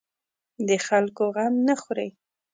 د خلکو غم نه خوري.